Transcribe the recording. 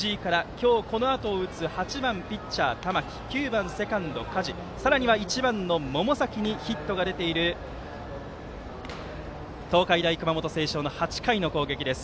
今日、このあとを打つ８番ピッチャー、玉木９番セカンド、加地さらには１番の百崎にヒットが出ている東海大熊本星翔の８回の攻撃。